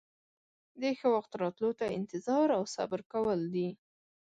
د ښه وخت راتلو ته انتظار او صبر کول دي.